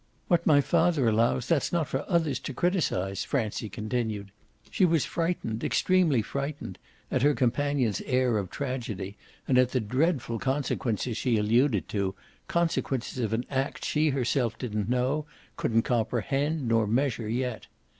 What my father allows, that's not for others to criticise!" Francie continued. She was frightened, extremely frightened, at her companion's air of tragedy and at the dreadful consequences she alluded to, consequences of an act she herself didn't know, couldn't comprehend nor measure yet.